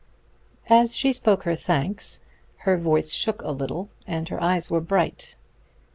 As she spoke her thanks her voice shook a little, and her eyes were bright.